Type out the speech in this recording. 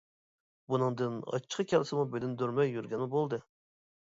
بۇنىڭدىن ئاچچىقى كەلسىمۇ بىلىندۈرمەي يۈرگەنمۇ بولدى.